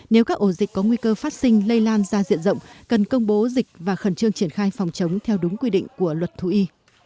nếu các ổ dịch có nguy cơ phát sinh lây lan ra diện rộng cần công bố dịch và khẩn trương triển khai phòng chống theo đúng quy định của luật thú y